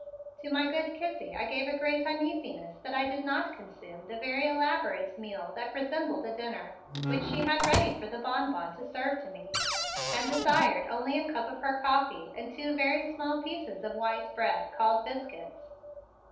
To my good Kizzie I gave a great uneasiness that I did not consume the very elaborate meal that resembled a dinner, which she had ready for the Bonbon to serve to me, and desired only a cup of her coffee and two very small pieces of white bread called biscuits.